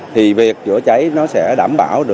thì việc chữa cháy sẽ đảm bảo